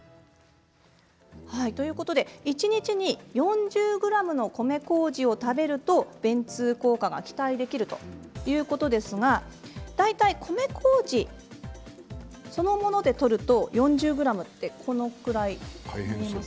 一日に４０ｇの米こうじを食べると便通効果が期待できるということですが米こうじ、そのものでとると４０ｇはこれくらいです。